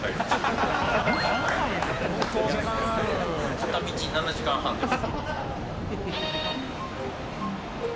片道７時間半です。